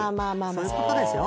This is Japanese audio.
そういうことでしょ？